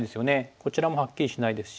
こちらもはっきりしないですし。